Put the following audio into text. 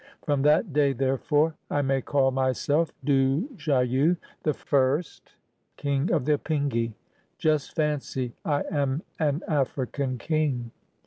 From that day, therefore, I may call myself Du Chaillu the First, King of the Apingi. Just fancy, I am an African king